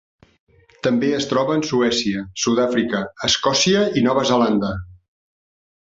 També es troba en Suècia, Sud-àfrica, Escòcia i Nova Zelanda.